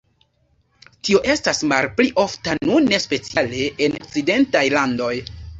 Tio estas malpli ofta nune, speciale en okcidentaj landoj.